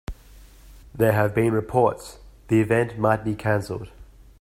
There have been reports the event might be canceled.